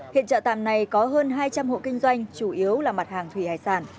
hiện chợ tạm này có hơn hai trăm linh hộ kinh doanh chủ yếu là mặt hàng thủy hải sản